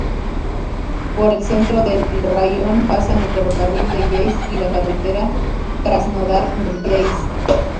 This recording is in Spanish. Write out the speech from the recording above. Por el centro del raión pasan el ferrocarril de Yeisk y la carretera Krasnodar-Yeisk.